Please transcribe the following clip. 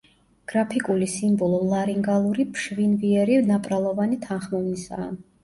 გრაფიკული სიმბოლო ლარინგალური ფშვინვიერი ნაპრალოვანი თანხმოვნისა.